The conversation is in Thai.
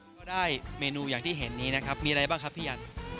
ก็ได้เมนูอย่างที่เห็นนี้นะครับมีอะไรบ้างครับพี่อัน